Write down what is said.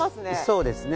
そうですね。